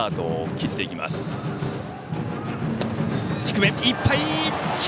低めいっぱい！